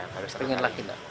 pengen lagi enggak